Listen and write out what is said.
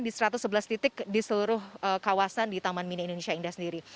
di satu ratus sebelas titik di seluruh kawasan di taman mini indonesia indah sendiri